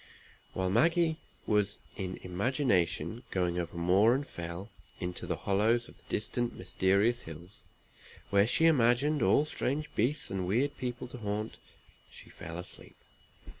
While Maggie was in imagination going over moor and fell, into the hollows of the distant mysterious hills, where she imagined all strange beasts and weird people to haunt, she fell asleep.